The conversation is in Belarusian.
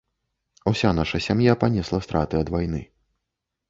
Уся наша сям'я панесла страты ад вайны.